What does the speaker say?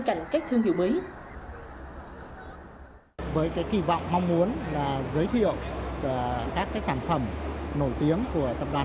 cạnh các thương hiệu mới với kỳ vọng mong muốn giới thiệu các sản phẩm nổi tiếng của tập đoàn